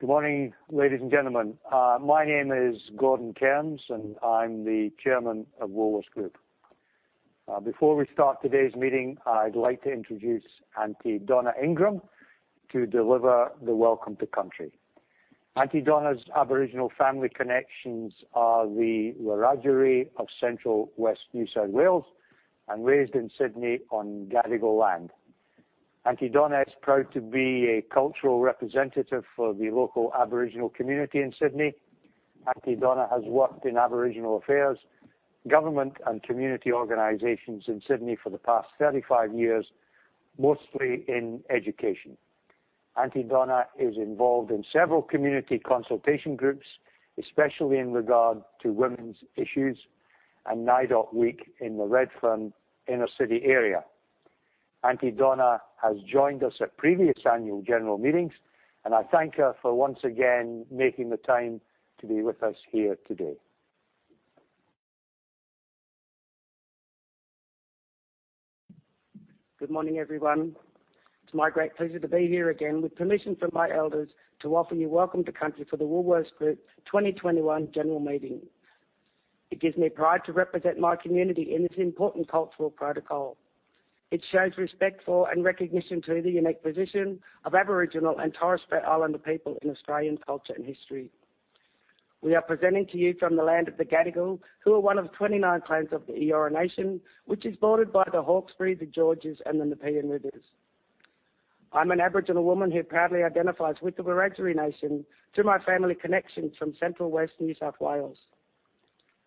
Good morning, ladies and gentlemen. My name is Gordon Cairns, and I'm the Chairman of Woolworths Group. Before we start today's meeting, I'd like to introduce Aunty Donna Ingram to deliver the Welcome to Country. Aunty Donna's Aboriginal family connections are the Wiradjuri of Central West New South Wales, and raised in Sydney on Gadigal land. Aunty Donna is proud to be a cultural representative for the local Aboriginal community in Sydney. Aunty Donna has worked in Aboriginal affairs, government, and community organizations in Sydney for the past thirty-five years, mostly in education. Aunty Donna is involved in several community consultation groups, especially in regard to women's issues and NAIDOC Week in the Redfern inner city area. Aunty Donna has joined us at previous annual general meetings, and I thank her for once again making the time to be with us here today. Good morning, everyone. It's my great pleasure to be here again with permission from my elders to offer you Welcome to Country for the Woolworths Group 2021 general meeting. It gives me pride to represent my community in this important cultural protocol. It shows respect for and recognition to the unique position of Aboriginal and Torres Strait Islander people in Australian culture and history. We are presenting to you from the land of the Gadigal, who are one of twenty-nine clans of the Eora Nation, which is bordered by the Hawkesbury, the Georges, and the Nepean Rivers. I'm an Aboriginal woman who proudly identifies with the Wiradjuri Nation through my family connections from Central West New South Wales.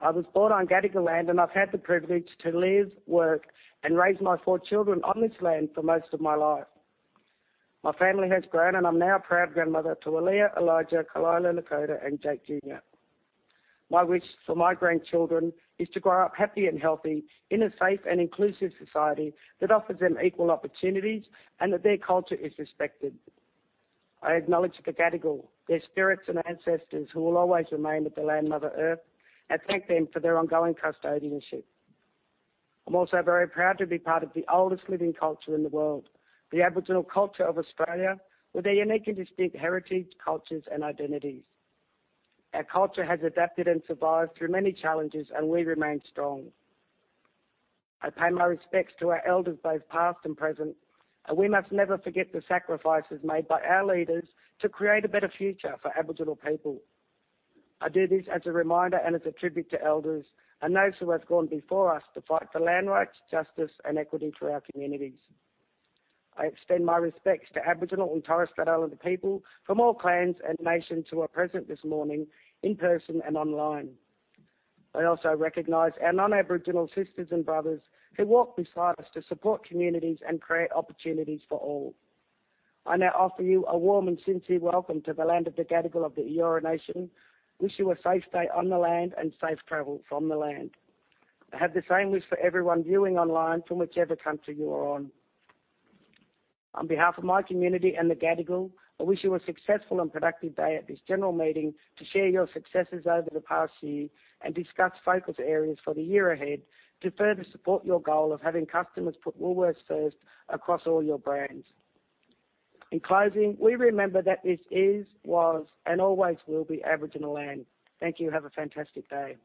I was born on Gadigal land, and I've had the privilege to live, work, and raise my four children on this land for most of my life. My family has grown, and I'm now a proud grandmother to Aaliyah, Elijah, Kalila, Lakota, and Jake Jr. My wish for my grandchildren is to grow up happy and healthy in a safe and inclusive society that offers them equal opportunities and that their culture is respected. I acknowledge the Gadigal, their spirits and ancestors, who will always remain with the land, Mother Earth, and thank them for their ongoing custodianship. I'm also very proud to be part of the oldest living culture in the world, the Aboriginal culture of Australia, with their unique and distinct heritage, cultures, and identities. Our culture has adapted and survived through many challenges, and we remain strong. I pay my respects to our elders, both past and present, and we must never forget the sacrifices made by our leaders to create a better future for Aboriginal people. I do this as a reminder and as a tribute to elders and those who have gone before us to fight for land rights, justice, and equity for our communities. I extend my respects to Aboriginal and Torres Strait Islander people from all clans and nations who are present this morning in person and online. I also recognize our non-Aboriginal sisters and brothers who walk beside us to support communities and create opportunities for all. I now offer you a warm and sincere welcome to the land of the Gadigal of the Eora Nation. Wish you a safe day on the land and safe travel from the land. I have the same wish for everyone viewing online from whichever country you are on. On behalf of my community and the Gadigal, I wish you a successful and productive day at this general meeting to share your successes over the past year and discuss focus areas for the year ahead to further support your goal of having customers put Woolworths first across all your brands. In closing, we remember that this is, was, and always will be Aboriginal land. Thank you. Have a fantastic day.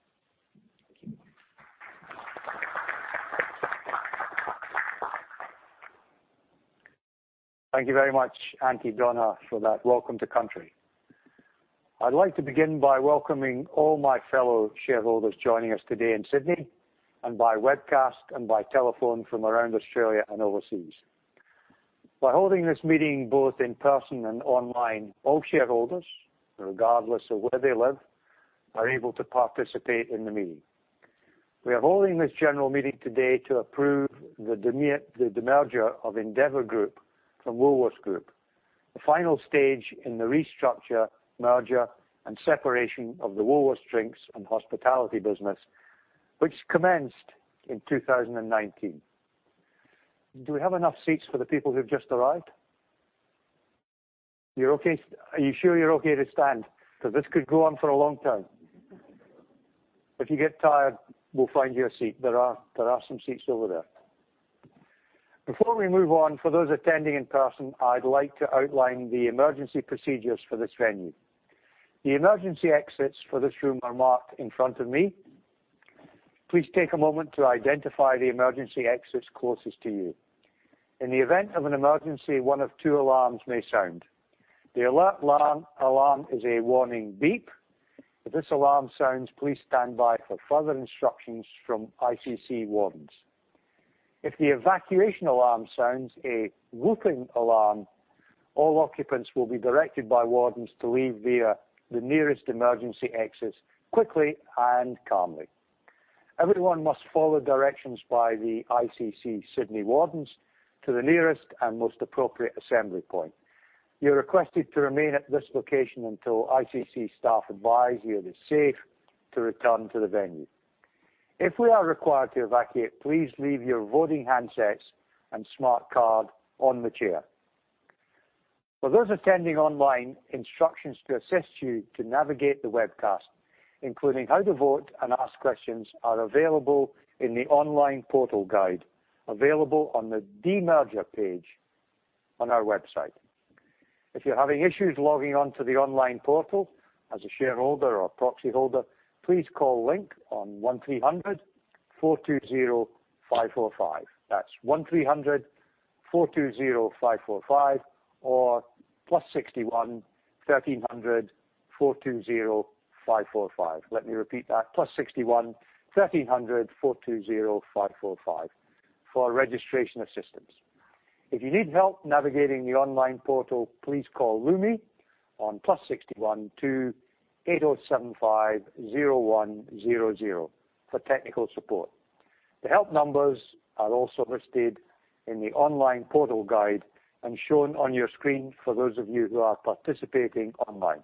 Thank you very much, Aunty Donna, for that Welcome to Country. I'd like to begin by welcoming all my fellow shareholders joining us today in Sydney and by webcast and by telephone from around Australia and overseas. By holding this meeting both in person and online, all shareholders, regardless of where they live, are able to participate in the meeting. We are holding this general meeting today to approve the demerger of Endeavour Group from Woolworths Group, the final stage in the restructure, merger, and separation of the Woolworths Drinks and Hospitality business, which commenced in 2019. Do we have enough seats for the people who've just arrived? You're okay? Are you sure you're okay to stand? Because this could go on for a long time. If you get tired, we'll find you a seat. There are some seats over there. Before we move on, for those attending in person, I'd like to outline the emergency procedures for this venue. The emergency exits for this room are marked in front of me. Please take a moment to identify the emergency exits closest to you. In the event of an emergency, one of two alarms may sound. The alert alarm is a warning beep. If this alarm sounds, please stand by for further instructions from ICC wardens. If the evacuation alarm sounds, a whooping alarm, all occupants will be directed by wardens to leave via the nearest emergency exits, quickly and calmly. Everyone must follow directions by the ICC Sydney wardens to the nearest and most appropriate assembly point. You're requested to remain at this location until ICC staff advise you it is safe to return to the venue. If we are required to evacuate, please leave your voting handsets and smart card on the chair. For those attending online, instructions to assist you to navigate the webcast, including how to vote and ask questions, are available in the online portal guide, available on the demerger page on our website. If you're having issues logging on to the online portal as a shareholder or proxy holder, please call Link on 1-300-420545. That's 1-300-420-545, or +61-1300-420-545. Let me repeat that. +61-1300-420-545 for registration assistance. If you need help navigating the online portal, please call Lumi on +61-12875010 for technical support. The help numbers are also listed in the online portal guide and shown on your screen for those of you who are participating online.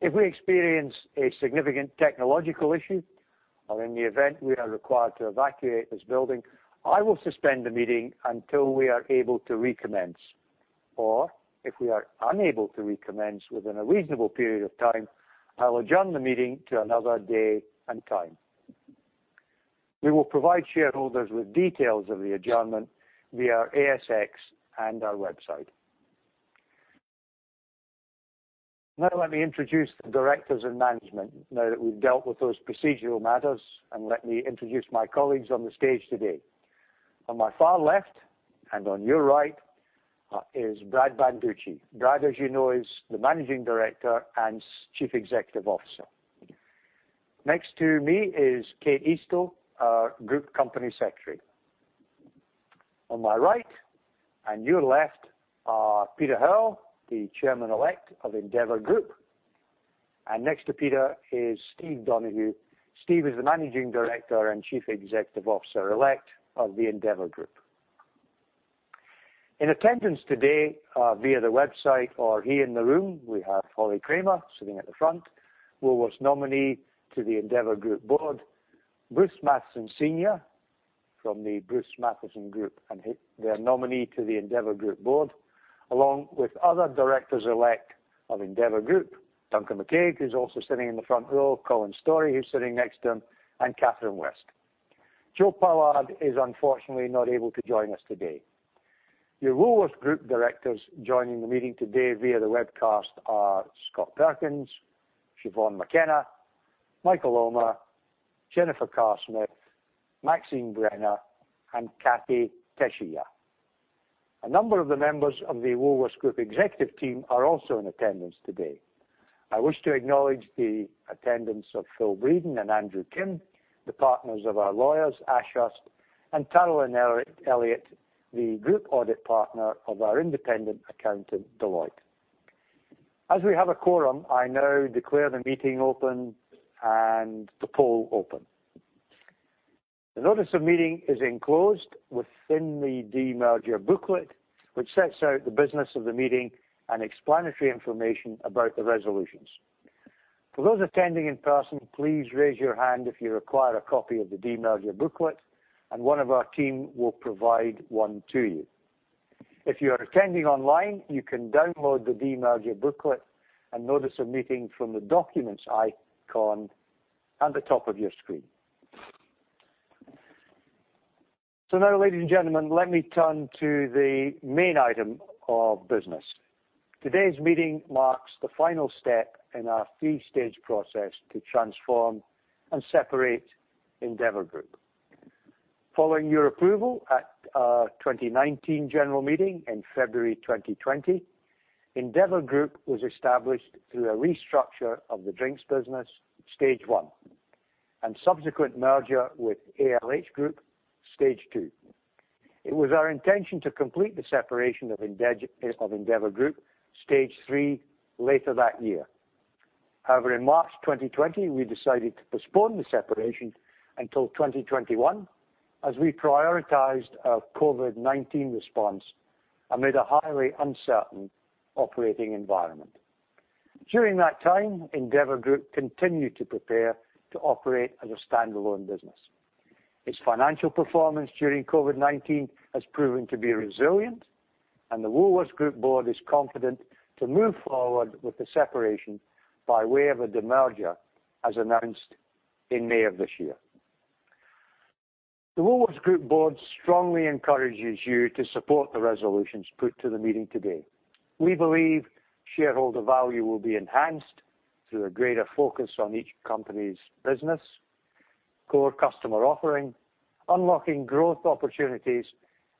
If we experience a significant technological issue, or in the event we are required to evacuate this building, I will suspend the meeting until we are able to recommence, or if we are unable to recommence within a reasonable period of time, I'll adjourn the meeting to another day and time. We will provide shareholders with details of the adjournment via ASX and our website. Now, let me introduce the directors and management, now that we've dealt with those procedural matters, and let me introduce my colleagues on the stage today. On my far left, and on your right, is Brad Banducci. Brad, as you know, is the Managing Director and Chief Executive Officer. Next to me is Kate Eastoe, our Group Company Secretary. On my right, and your left, are Peter Hearl, the Chairman-elect of Endeavour Group, and next to Peter is Steve Donohue. Steve is the Managing Director and Chief Executive Officer-elect of the Endeavour Group. In attendance today via the website or here in the room, we have Holly Kramer, sitting at the front, Woolworths nominee to the Endeavour Group board. Bruce Mathieson, Senior from the Bruce Mathieson Group, and their nominee to the Endeavour Group board, along with other directors elect of Endeavour Group. Duncan McRae, who's also sitting in the front row, Colin Storrie, who's sitting next to him, and Catherine West. Joe Pollard is unfortunately not able to join us today. Your Woolworths Group directors joining the meeting today via the webcast are Scott Perkins, Siobhan McKenna, Michael Ullmer, Jennifer Carr-Smith, Maxine Brenner, and Kathee Tesija. A number of the members of the Woolworths Group executive team are also in attendance today. I wish to acknowledge the attendance of Phil Breden and Andrew Kim, the partners of our lawyers, Ashurst and Tara Elliott, the group audit partner of our independent accountant, Deloitte. As we have a quorum, I now declare the meeting open and the poll open. The notice of meeting is enclosed within the demerger booklet, which sets out the business of the meeting and explanatory information about the resolutions. For those attending in person, please raise your hand if you require a copy of the demerger booklet, and one of our team will provide one to you. If you are attending online, you can download the demerger booklet and notice of meeting from the Documents icon at the top of your screen. Now, ladies and gentlemen, let me turn to the main item of business. Today's meeting marks the final step in our three-stage process to transform and separate Endeavour Group. Following your approval at our 2019 general meeting in February 2020, Endeavour Group was established through a restructure of the drinks business, stage one, and subsequent merger with ALH Group, stage two. It was our intention to complete the separation of Endeavour Group, stage three, later that year. However, in March 2020, we decided to postpone the separation until 2021, as we prioritized our COVID-19 response amid a highly uncertain operating environment. During that time, Endeavour Group continued to prepare to operate as a standalone business. Its financial performance during COVID-19 has proven to be resilient, and the Woolworths Group board is confident to move forward with the separation by way of a demerger, as announced in May of this year. The Woolworths Group board strongly encourages you to support the resolutions put to the meeting today. We believe shareholder value will be enhanced through a greater focus on each company's business, core customer offering, unlocking growth opportunities,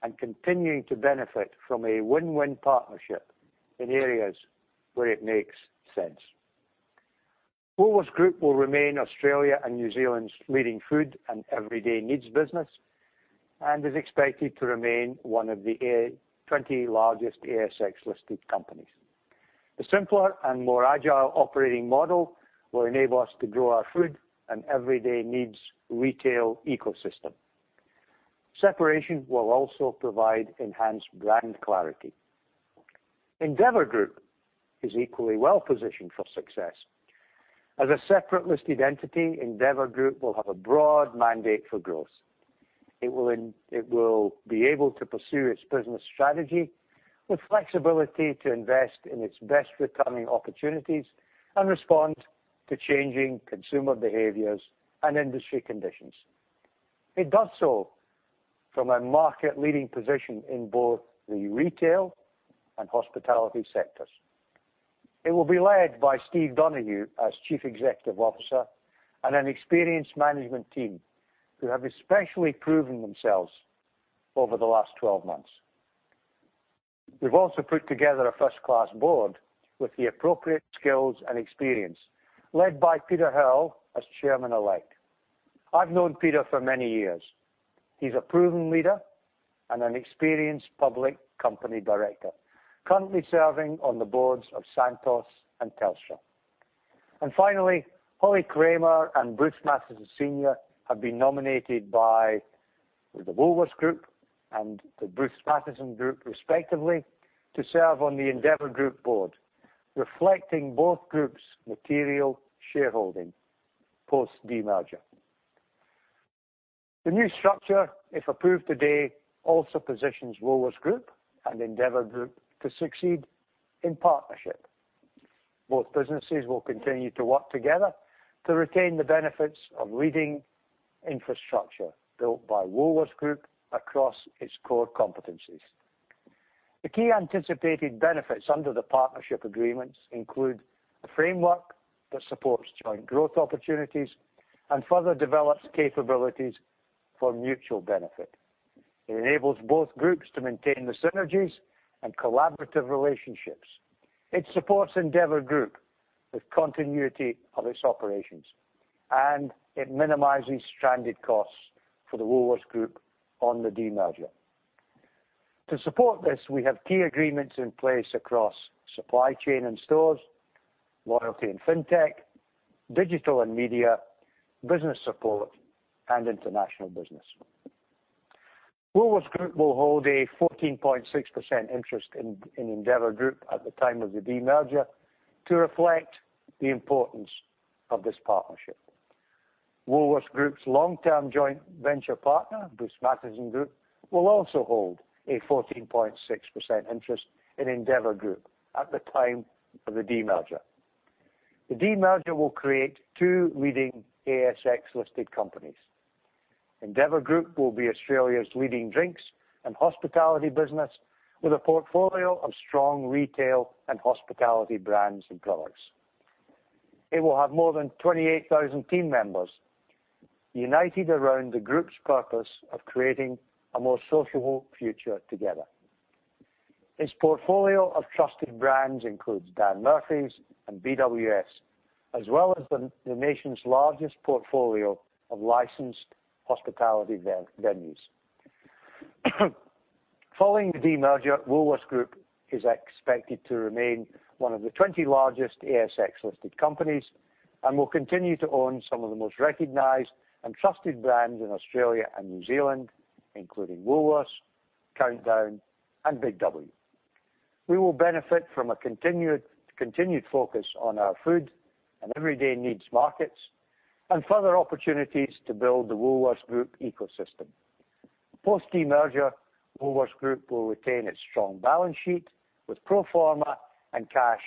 and continuing to benefit from a win-win partnership in areas where it makes sense. Woolworths Group will remain Australia and New Zealand's leading food and everyday needs business, and is expected to remain one of the twenty largest ASX-listed companies. The simpler and more agile operating model will enable us to grow our food and everyday needs retail ecosystem. Separation will also provide enhanced brand clarity. Endeavour Group is equally well positioned for success. As a separate listed entity, Endeavour Group will have a broad mandate for growth. It will be able to pursue its business strategy with flexibility to invest in its best returning opportunities and respond to changing consumer behaviors and industry conditions. It does so from a market-leading position in both the retail and hospitality sectors. It will be led by Steve Donohue as Chief Executive Officer and an experienced management team who have especially proven themselves over the last twelve months. We've also put together a first-class board with the appropriate skills and experience, led by Peter Hearl as chairman-elect. I've known Peter for many years. He's a proven leader and an experienced public company director, currently serving on the boards of Santos and Telstra. And finally, Holly Kramer and Bruce Matheson have been nominated by the Woolworths Group and the Bruce Mathieson Group, respectively, to serve on the Endeavour Group board, reflecting both groups' material shareholding post demerger. The new structure, if approved today, also positions Woolworths Group and Endeavour Group to succeed in partnership. Both businesses will continue to work together to retain the benefits of leading infrastructure built by Woolworths Group across its core competencies. The key anticipated benefits under the partnership agreements include a framework that supports joint growth opportunities and further develops capabilities for mutual benefit. It enables both groups to maintain the synergies and collaborative relationships. It supports Endeavour Group with continuity of its operations, and it minimizes stranded costs for the Woolworths Group on the demerger. To support this, we have key agreements in place across supply chain and stores, loyalty and fintech, digital and media, business support, and international business. Woolworths Group will hold a 14.6% interest in Endeavour Group at the time of the demerger to reflect the importance of this partnership. Woolworths Group's long-term joint venture partner, Bruce Mathieson Group, will also hold a 14.6% interest in Endeavour Group at the time of the demerger. The demerger will create two leading ASX-listed companies. Endeavour Group will be Australia's leading drinks and hospitality business, with a portfolio of strong retail and hospitality brands and products. It will have more than 28,000 team members, united around the group's purpose of creating a more sociable future together. Its portfolio of trusted brands includes Dan Murphy's and BWS, as well as the nation's largest portfolio of licensed hospitality venues. Following the demerger, Woolworths Group is expected to remain one of the 20 largest ASX-listed companies and will continue to own some of the most recognized and trusted brands in Australia and New Zealand, including Woolworths, Countdown, and Big W. We will benefit from a continued focus on our food and everyday needs markets, and further opportunities to build the Woolworths Group ecosystem. Post demerger, Woolworths Group will retain its strong balance sheet with pro forma net cash,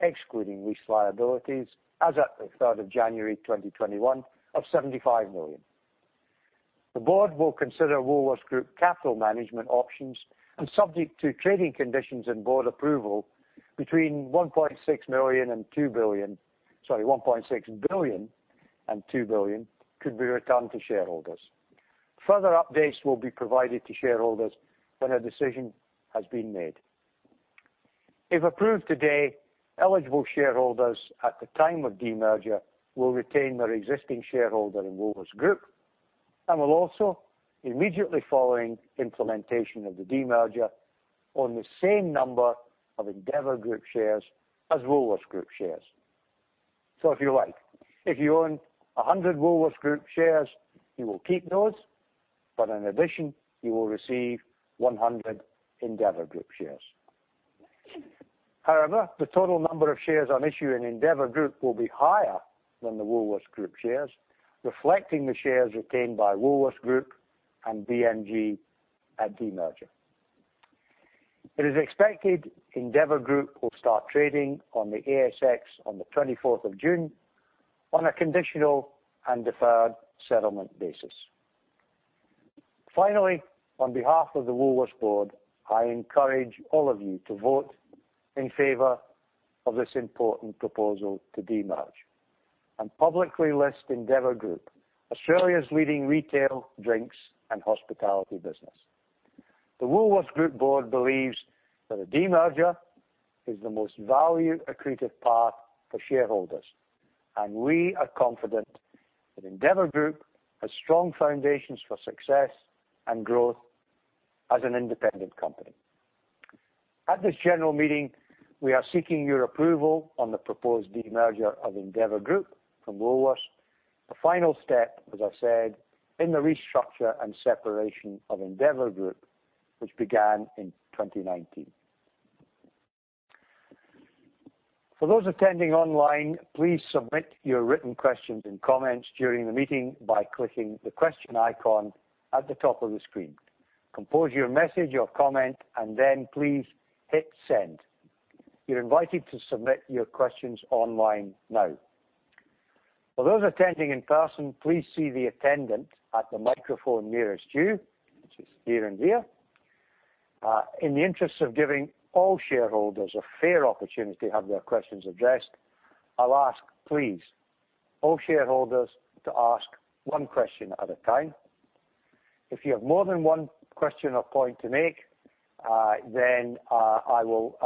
excluding lease liabilities, as at the third of January 2021, of 75 million. The board will consider Woolworths Group capital management options, and subject to trading conditions and board approval, between 1.6 million and 2 billion. Sorry, 1.6 billion-2 billion could be returned to shareholders. Further updates will be provided to shareholders when a decision has been made. If approved today, eligible shareholders at the time of demerger will retain their existing shareholder in Woolworths Group and will also, immediately following implementation of the demerger, own the same number of Endeavour Group shares as Woolworths Group shares. So if you like, if you own 100 Woolworths Group shares, you will keep those, but in addition, you will receive 100 Endeavour Group shares. However, the total number of shares on issue in Endeavour Group will be higher than the Woolworths Group shares, reflecting the shares retained by Woolworths Group and BMG at demerger. It is expected Endeavour Group will start trading on the ASX on the 24th of June on a conditional and deferred settlement basis. Finally, on behalf of the Woolworths board, I encourage all of you to vote in favor of this important proposal to demerge and publicly list Endeavour Group, Australia's leading retail, drinks, and hospitality business. The Woolworths Group board believes that a demerger is the most value accretive path for shareholders, and we are confident that Endeavour Group has strong foundations for success and growth as an independent company. At this general meeting, we are seeking your approval on the proposed demerger of Endeavour Group from Woolworths, a final step, as I said, in the restructure and separation of Endeavour Group, which began in 2019. For those attending online, please submit your written questions and comments during the meeting by clicking the question icon at the top of the screen. Compose your message or comment, and then please hit Send. You're invited to submit your questions online now. For those attending in person, please see the attendant at the microphone nearest you, which is here and here. In the interest of giving all shareholders a fair opportunity to have their questions addressed, I'll ask, please, all shareholders to ask one question at a time. If you have more than one question or point to make, then, I will,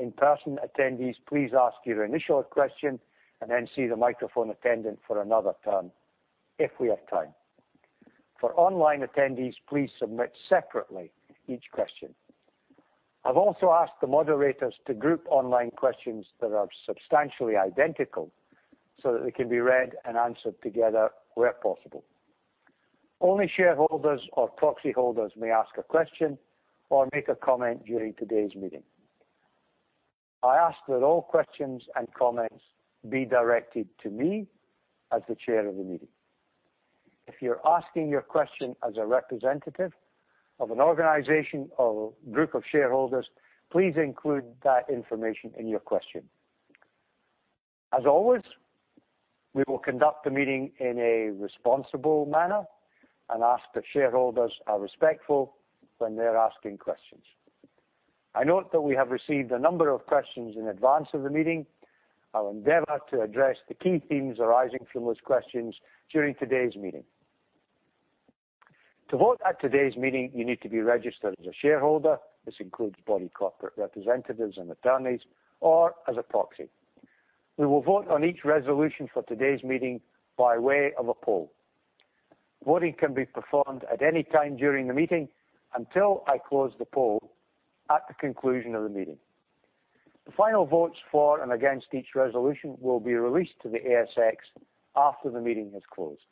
in-person attendees, please ask your initial question and then see the microphone attendant for another turn if we have time. For online attendees, please submit separately each question. I've also asked the moderators to group online questions that are substantially identical, so that they can be read and answered together where possible. Only shareholders or proxy holders may ask a question or make a comment during today's meeting. I ask that all questions and comments be directed to me as the chair of the meeting. If you're asking your question as a representative of an organization or group of shareholders, please include that information in your question. As always, we will conduct the meeting in a responsible manner and ask that shareholders are respectful when they're asking questions. I note that we have received a number of questions in advance of the meeting. I will endeavor to address the key themes arising from those questions during today's meeting. To vote at today's meeting, you need to be registered as a shareholder. This includes body corporate representatives and attorneys or as a proxy. We will vote on each resolution for today's meeting by way of a poll. Voting can be performed at any time during the meeting until I close the poll at the conclusion of the meeting. The final votes for and against each resolution will be released to the ASX after the meeting has closed.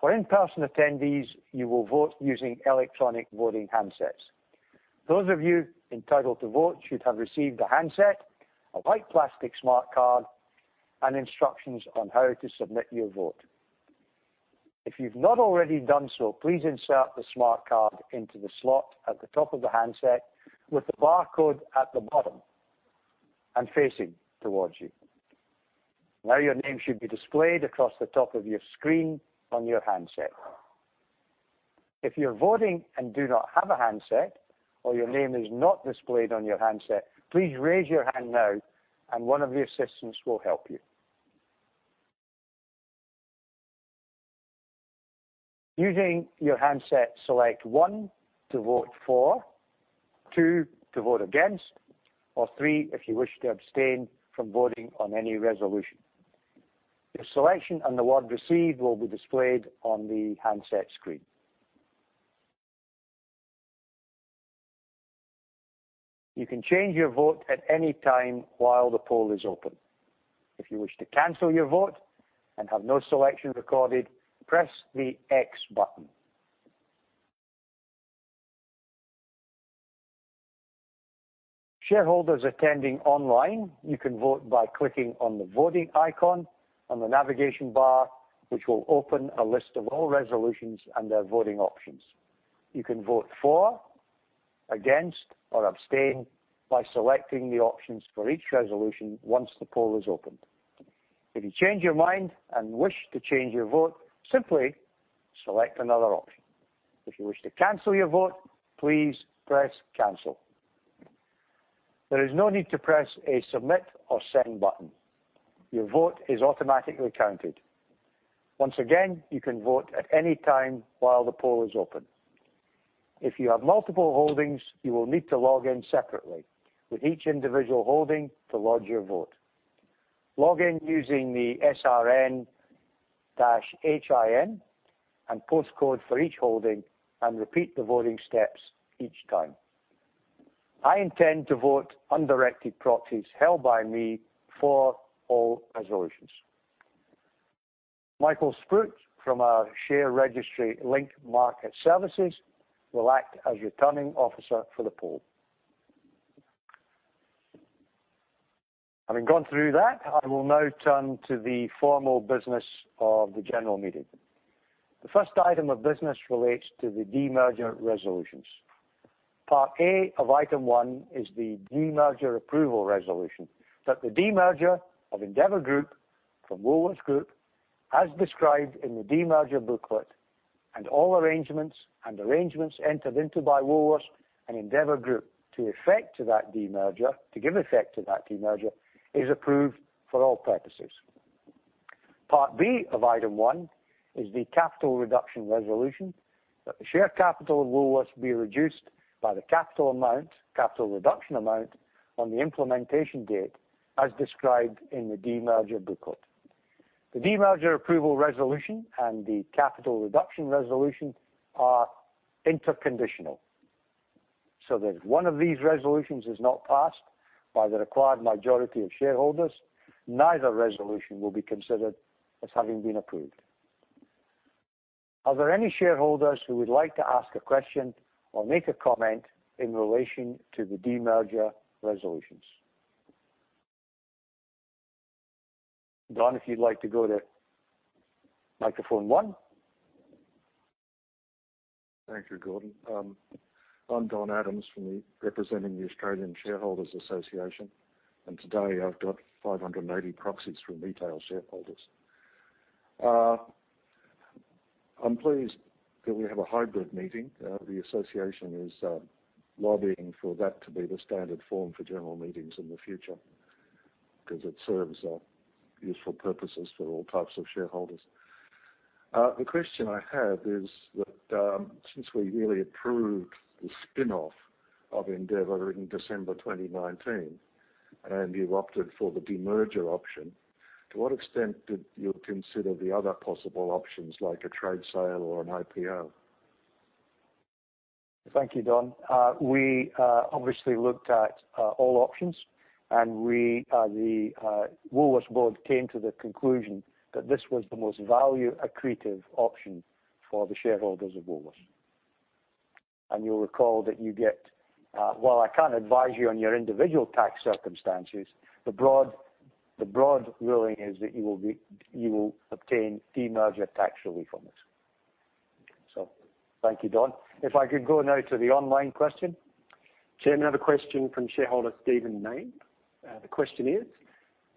For in-person attendees, you will vote using electronic voting handsets. Those of you entitled to vote should have received a handset, a white plastic smart card, and instructions on how to submit your vote. If you've not already done so, please insert the smart card into the slot at the top of the handset, with the barcode at the bottom and facing towards you. Now, your name should be displayed across the top of your screen on your handset. If you're voting and do not have a handset or your name is not displayed on your handset, please raise your hand now and one of the assistants will help you. Using your handset, select one to vote for, two to vote against, or three if you wish to abstain from voting on any resolution. Your selection and the vote received will be displayed on the handset screen. You can change your vote at any time while the poll is open. If you wish to cancel your vote and have no selection recorded, press the X button. Shareholders attending online, you can vote by clicking on the voting icon on the navigation bar, which will open a list of all resolutions and their voting options. You can vote for, against, or abstain by selecting the options for each resolution once the poll is opened. If you change your mind and wish to change your vote, simply select another option. If you wish to cancel your vote, please press Cancel. There is no need to press a Submit or Send button. Your vote is automatically counted. Once again, you can vote at any time while the poll is open. If you have multiple holdings, you will need to log in separately with each individual holding to lodge your vote. Log in using the SRN-HIN and post code for each holding, and repeat the voting steps each time. I intend to vote undirected proxies held by me for all resolutions. Michael Spruyt, from our share registry Link Market Services, will act as returning officer for the poll. Having gone through that, I will now turn to the formal business of the general meeting. The first item of business relates to the demerger resolutions. Part A of item one is the demerger approval resolution, that the demerger of Endeavour Group from Woolworths Group, as described in the demerger booklet, and all arrangements entered into by Woolworths and Endeavour Group to give effect to that demerger, is approved for all purposes. Part B of item one is the capital reduction resolution, that the share capital of Woolworths be reduced by the capital reduction amount on the implementation date, as described in the demerger booklet. The demerger approval resolution and the capital reduction resolution are interconditional, so that if one of these resolutions is not passed by the required majority of shareholders, neither resolution will be considered as having been approved. Are there any shareholders who would like to ask a question or make a comment in relation to the demerger resolutions? Don, if you'd like to go to microphone one. Thank you, Gordon. I'm Don Adams from the Australian Shareholders' Association, and today I've got 580 proxies from retail shareholders. I'm pleased that we have a hybrid meeting. The association is lobbying for that to be the standard form for general meetings in the future, because it serves useful purposes for all types of shareholders. The question I have is that, since we really approved the spin-off of Endeavour in December 2019, and you've opted for the demerger option, to what extent did you consider the other possible options, like a trade sale or an IPO? Thank you, Don. We obviously looked at all options, and the Woolworths board came to the conclusion that this was the most value accretive option for the shareholders of Woolworths, and you'll recall that you get... While I can't advise you on your individual tax circumstances, the broad ruling is that you will obtain demerger tax relief from this. So thank you, Don. If I could go now to the online question. Chairman, I have a question from shareholder Stephen Mayne. The question is: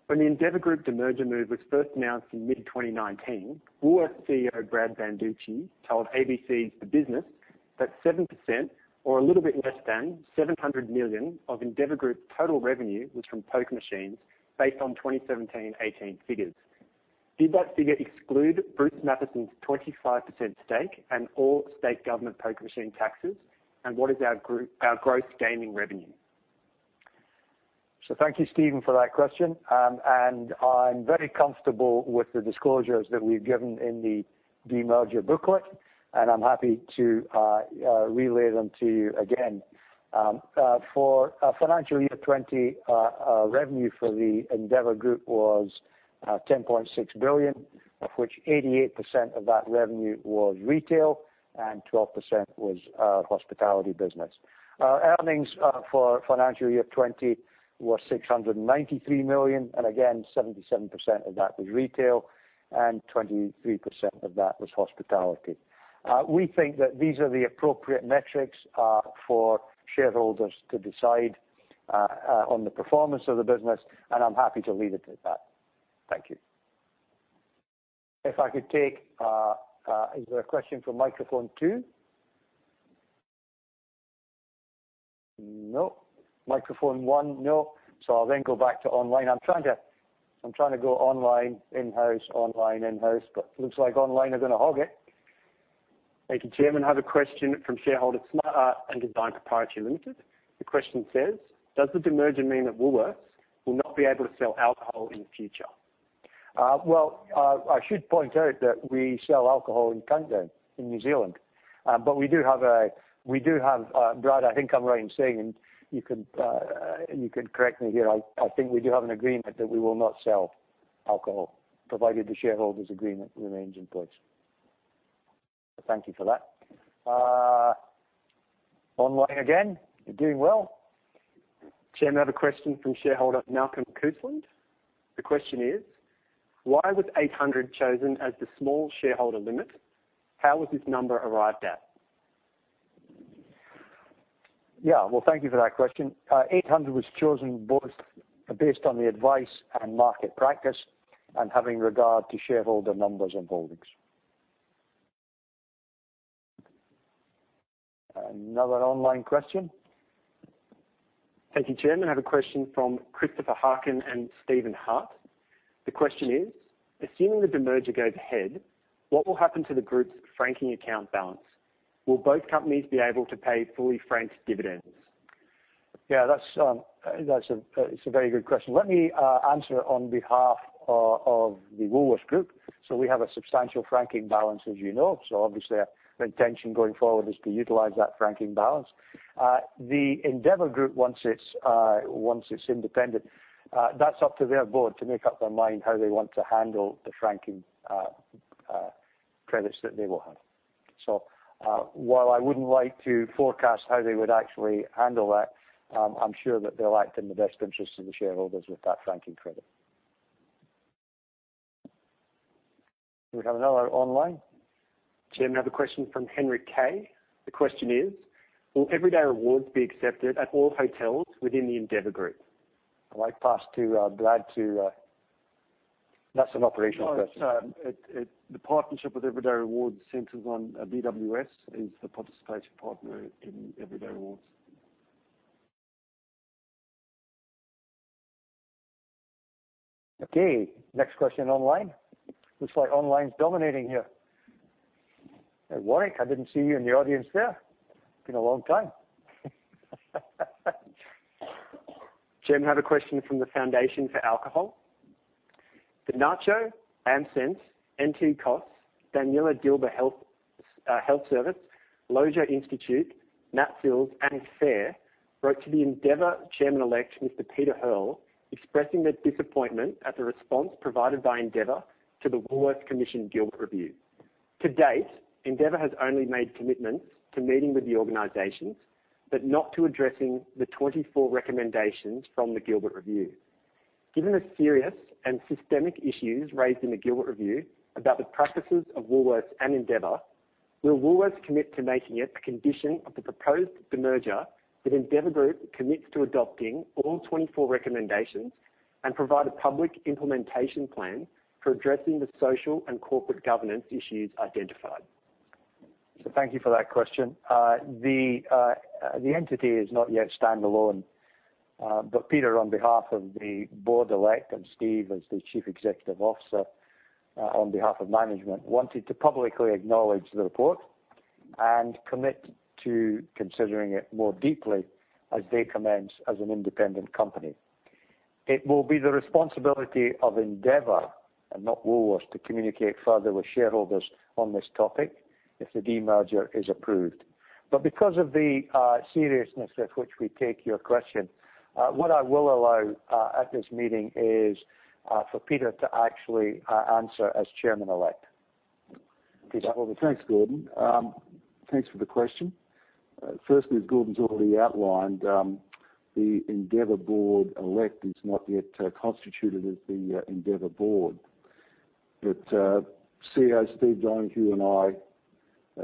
When the Endeavour Group demerger move was first announced in mid-2019, Woolworths CEO Brad Banducci told ABC's The Business that 7% or a little bit less than 700 million of Endeavour Group's total revenue was from poker machines based on 2017-18 figures. Did that figure exclude Bruce Matheson's 25% stake and all state government poker machine taxes? And what is our group's Gross Gaming Revenue? So thank you, Stephen, for that question. And I'm very comfortable with the disclosures that we've given in the demerger booklet, and I'm happy to relay them to you again. For financial year 2020, revenue for the Endeavour Group was 10.6 billion, of which 88% of that revenue was retail and 12% was hospitality business. Earnings for financial year 2020 were 693 million, and again, 77% of that was retail and 23% of that was hospitality. We think that these are the appropriate metrics for shareholders to decide on the performance of the business, and I'm happy to leave it at that. Thank you. If I could take... Is there a question from microphone two? No. Microphone one? No. I'll then go back to online. I'm trying to go online, in-house, but looks like online are gonna hog it. Thank you, Chairman. I have a question from shareholder, Smart Art and Design Proprietary Limited. The question says: Does the demerger mean that Woolworths will not be able to sell alcohol in the future? I should point out that we sell alcohol in Countdown, in New Zealand. But we do have, Brad, I think I'm right in saying, and you can correct me here. I think we do have an agreement that we will not sell alcohol, provided the shareholders' agreement remains in place. Thank you for that. Online again, you're doing well. Chairman, I have a question from shareholder Malcolm Cousland. The question is: Why was 800 chosen as the small shareholder limit? How was this number arrived at? Yeah. Well, thank you for that question. 800 was chosen both based on the advice and market practice and having regard to shareholder numbers and holdings. Another online question. Thank you, Chairman. I have a question from Christopher Harkin and Stephen Hart. The question is: Assuming the demerger goes ahead, what will happen to the group's franking account balance? Will both companies be able to pay fully franked dividends? Yeah, that's a very good question. Let me answer on behalf of the Woolworths Group. So we have a substantial franking balance, as you know, so obviously our intention going forward is to utilize that franking balance. The Endeavour Group, once it's independent, that's up to their board to make up their mind how they want to handle the franking credits that they will have. So, while I wouldn't like to forecast how they would actually handle that, I'm sure that they'll act in the best interests of the shareholders with that franking credit. Do we have another online? Chairman, I have a question from Henry Kay. The question is: Will Everyday Rewards be accepted at all hotels within the Endeavour Group? I'd like to pass to, Brad to... That's an operational question. The partnership with Everyday Rewards centers on BWS, is the participation partner in Everyday Rewards. Okay, next question online. Looks like online's dominating here. Hey, Warwick, I didn't see you in the audience there. Been a long time. Chairman, I have a question from the Foundation for Alcohol. The NACCHO, AMSANT, NTCOSS, Danila Dilba Health Service, Lowitja Institute, and FARE wrote to the Endeavour Chairman-elect, Mr. Peter Hearl, expressing their disappointment at the response provided by Endeavour to Gilbert Review. to date, Endeavour has only made commitments to meeting with the organizations, but not to addressing the 24 recommendations Gilbert Review. given the serious and systemic issues raised Gilbert Review about the practices of Woolworths and Endeavour, will Woolworths commit to making it a condition of the proposed demerger that Endeavour Group commits to adopting all 24 recommendations and provide a public implementation plan for addressing the social and corporate governance issues identified? So thank you for that question. The entity is not yet standalone, but Peter, on behalf of the board elect, and Steve, as the Chief Executive Officer, on behalf of management, wanted to publicly acknowledge the report and commit to considering it more deeply as they commence as an independent company. It will be the responsibility of Endeavour, and not Woolworths, to communicate further with shareholders on this topic if the demerger is approved. But because of the seriousness with which we take your question, what I will allow at this meeting is for Peter to actually answer as Chairman-elect. Peter? Thanks, Gordon. Thanks for the question. Firstly, as Gordon's already outlined, the Endeavour Board-elect is not yet constituted as the Endeavour Board. But CEO Steve Donohue and I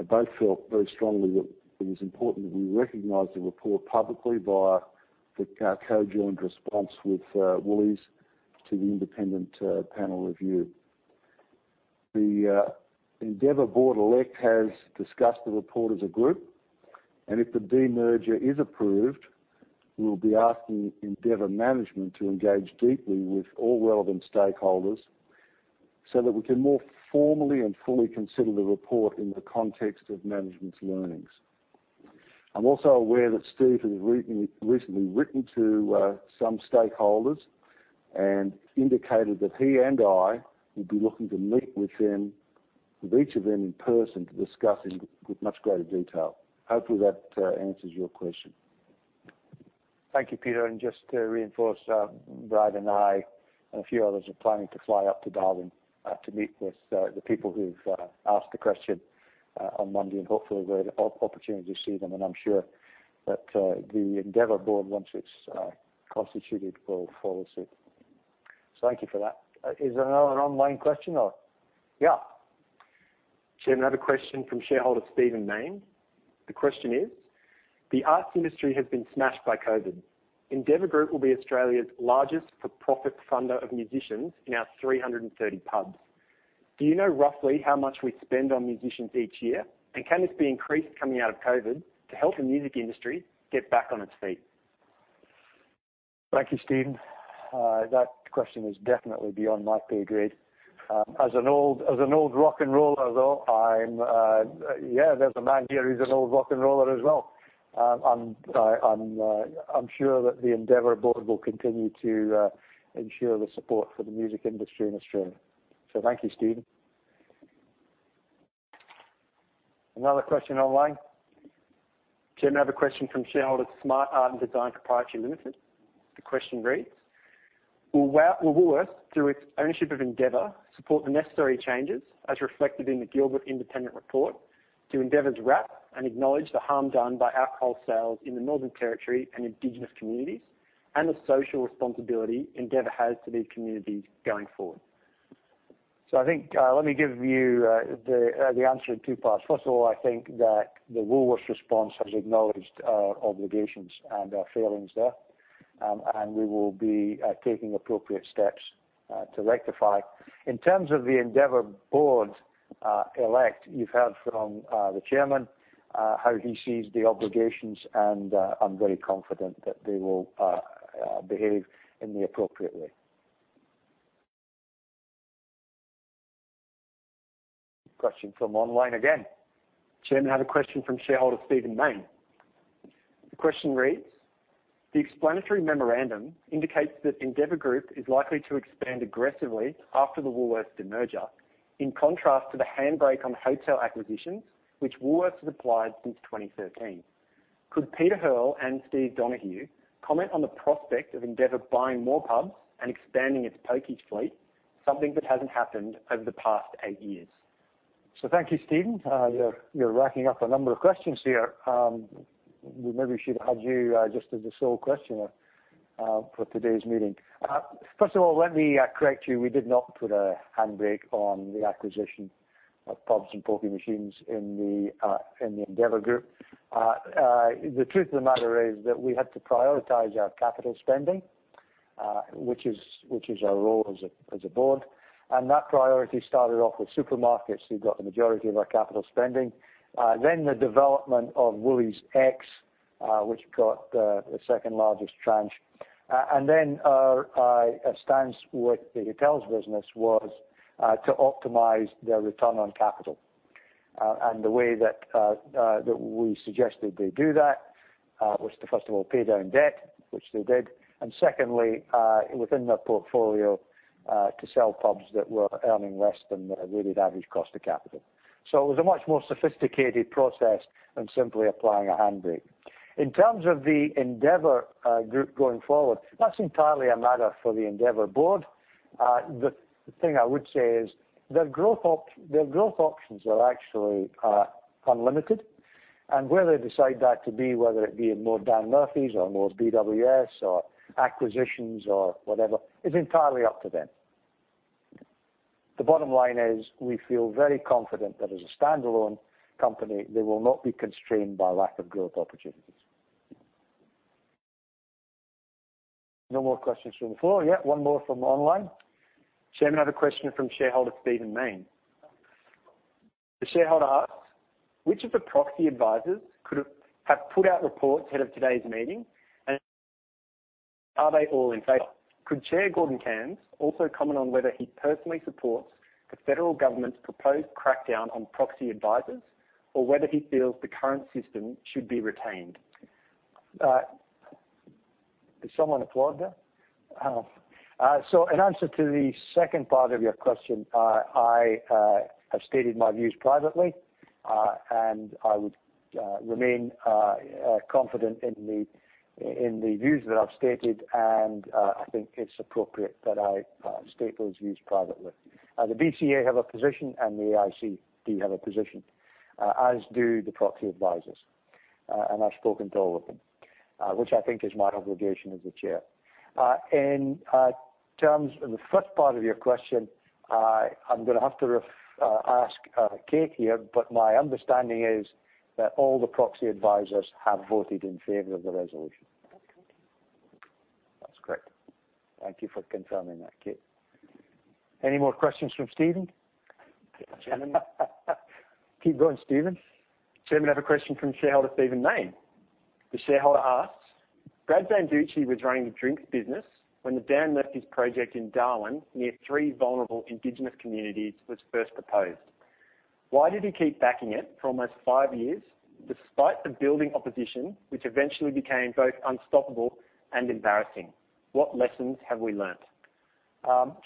both felt very strongly that it was important that we recognize the report publicly via the conjoined response with Woolies to the independent panel review. The Endeavour Board-elect has discussed the report as a group, and if the demerger is approved, we'll be asking Endeavour management to engage deeply with all relevant stakeholders so that we can more formally and fully consider the report in the context of management's learnings. I'm also aware that Steve has recently written to some stakeholders and indicated that he and I will be looking to meet with them, with each of them in person, to discuss in much greater detail. Hopefully, that answers your question. Thank you, Peter, and just to reinforce, Brad and I and a few others are planning to fly up to Darwin to meet with the people who've asked the question on Monday, and hopefully we'll get an opportunity to see them. And I'm sure that the Endeavour Board, once it's constituted, will follow suit. So thank you for that. Is there another online question or... Yeah. Chairman, I have a question from shareholder Stephen Mayne. The question is: The arts industry has been smashed by COVID. Endeavour Group will be Australia's largest for-profit funder of musicians in our 330 pubs. Do you know roughly how much we spend on musicians each year? And can this be increased coming out of COVID to help the music industry get back on its feet? Thank you, Stephen. That question is definitely beyond my pay grade. As an old rock and roller, though, I'm... Yeah, there's a man here who's an old rock and roller as well. I'm sure that the Endeavour Board will continue to ensure the support for the music industry in Australia. So thank you, Stephen. Another question online? Chairman, I have a question from shareholder Smart Art and Design Proprietary Limited. The question reads: Will Woolworths, through its ownership of Endeavour, support the necessary changes, as reflected Gilbert Review, to endeavour's RAP and acknowledge the harm done by alcohol sales in the Northern Territory and Indigenous communities, and the social responsibility Endeavour has to these communities going forward? So I think, let me give you the answer in two parts. First of all, I think that the Woolworths response has acknowledged our obligations and our failings there, and we will be taking appropriate steps to rectify. In terms of the Endeavour board-elect, you've heard from the chairman how he sees the obligations, and I'm very confident that they will behave in the appropriate way. Question from online again. Chairman, I have a question from shareholder Stephen Mayne. The question reads: The explanatory memorandum indicates that Endeavour Group is likely to expand aggressively after the Woolworths demerger, in contrast to the handbrake on hotel acquisitions, which Woolworths has applied since twenty thirteen. Could Peter Hearl and Steve Donohue comment on the prospect of Endeavour buying more pubs and expanding its pokies fleet, something that hasn't happened over the past eight years? So thank you, Stephen. You're racking up a number of questions here. Maybe we should have had you just as the sole questioner for today's meeting. First of all, let me correct you. We did not put a handbrake on the acquisition of pubs and pokie machines in the Endeavour Group. The truth of the matter is that we had to prioritize our capital spending, which is our role as a board, and that priority started off with supermarkets, who got the majority of our capital spending. Then the development of WooliesX, which got the second-largest tranche. And then our stance with the hotels business was to optimize their return on capital, and the way that we suggested they do that-... was to first of all pay down debt, which they did, and secondly, within their portfolio, to sell pubs that were earning less than their weighted average cost of capital. So it was a much more sophisticated process than simply applying a handbrake. In terms of the Endeavour Group going forward, that's entirely a matter for the Endeavour board. The thing I would say is their growth options are actually unlimited, and where they decide that to be, whether it be in more Dan Murphy's or more BWS or acquisitions or whatever, is entirely up to them. The bottom line is, we feel very confident that as a standalone company, they will not be constrained by lack of growth opportunities. No more questions from the floor. Yeah, one more from online. Chairman, I have a question from shareholder Stephen Mayne. The shareholder asks, "Which of the proxy advisors could have put out reports ahead of today's meeting, and are they all in favor? Could chair Gordon Cairns also comment on whether he personally supports the federal government's proposed crackdown on proxy advisors, or whether he feels the current system should be retained? Did someone applaud there? So in answer to the second part of your question, I have stated my views privately, and I would remain confident in the views that I've stated, and I think it's appropriate that I state those views privately. The BCA have a position, and the AIC do have a position, as do the proxy advisors. And I've spoken to all of them, which I think is my obligation as the chair. In terms of the first part of your question, I'm gonna have to ask Kate here, but my understanding is that all the proxy advisors have voted in favor of the resolution. That's correct. That's correct. Thank you for confirming that, Kate. Any more questions from Steven? Chairman. Keep going, Stephen. Chairman, I have a question from shareholder Stephen Mayne. The shareholder asks: Brad Banducci was running the drinks business when the Dan Murphy's project in Darwin, near three vulnerable Indigenous communities, was first proposed. Why did he keep backing it for almost five years, despite the building opposition, which eventually became both unstoppable and embarrassing? What lessons have we learned?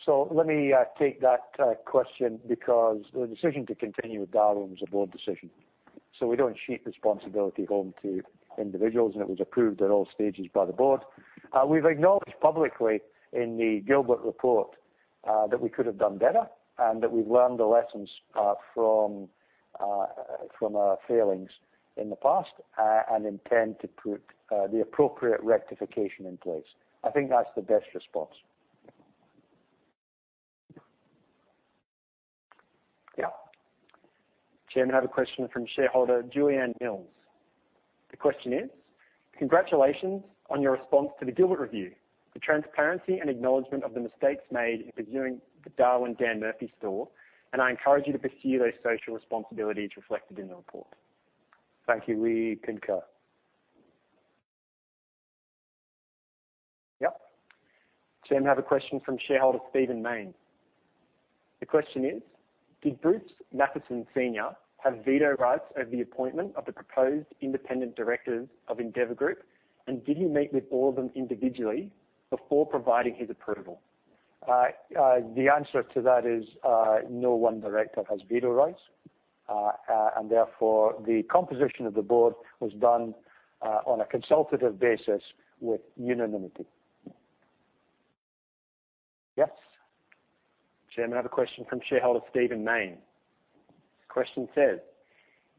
So let me take that question because the decision to continue with Darwin was a board decision. So we don't sheet responsibility home to individuals, and it was approved at all stages by the board. We've acknowledged publicly in the Gilbert report that we could have done better, and that we've learned the lessons from our failings in the past, and intend to put the appropriate rectification in place. I think that's the best response. Yeah. Chairman, I have a question from shareholder Julianne Mills. The question is: Congratulations on your response Gilbert Review, the transparency and acknowledgment of the mistakes made in pursuing the Darwin Dan Murphy's store, and I encourage you to pursue those social responsibilities reflected in the report. Thank you. We concur. Yep. Chairman, I have a question from shareholder Stephen Mayne. The question is: Did Bruce Matheson Senior have veto rights over the appointment of the proposed independent directors of Endeavour Group, and did he meet with all of them individually before providing his approval? The answer to that is, no one director has veto rights, and therefore, the composition of the board was done on a consultative basis with unanimity. Yes. Chairman, I have a question from shareholder Stephen Mayne. The question says: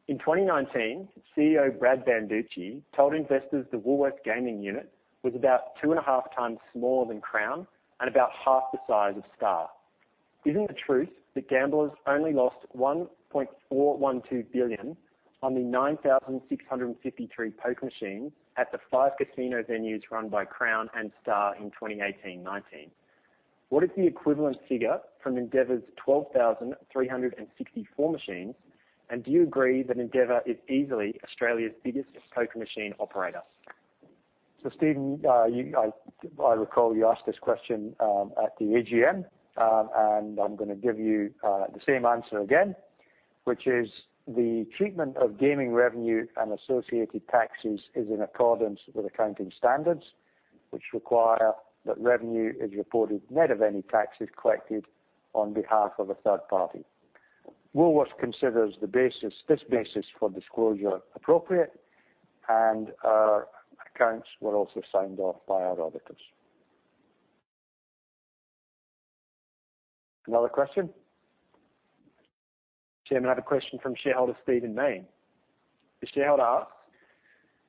In 2019, CEO Brad Banducci told investors the Woolworths gaming unit was about two and a half times smaller than Crown and about half the size of Star. Isn't the truth that gamblers only lost 1.412 billion on the 9,653 poker machines at the five casino venues run by Crown and Star in 2018-2019? What is the equivalent figure from Endeavour's 12,364 machines, and do you agree that Endeavour is easily Australia's biggest poker machine operator? So, Stephen, you, I recall you asked this question at the AGM, and I'm gonna give you the same answer again, which is the treatment of gaming revenue and associated taxes is in accordance with accounting standards, which require that revenue is reported net of any taxes collected on behalf of a third party. Woolworths considers this basis for disclosure appropriate, and our accounts were also signed off by our auditors. Another question? Chairman, I have a question from shareholder Stephen Mayne. The shareholder asks: